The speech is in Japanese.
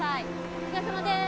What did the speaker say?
お疲れさまです。